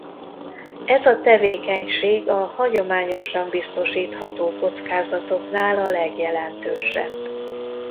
Ez a tevékenység a hagyományosan biztosítható kockázatoknál a legjelentősebb.